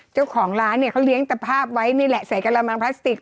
เจ้าของร้านเนี่ยเขาเลี้ยงตะภาพไว้นี่แหละใส่กระมังพลาสติก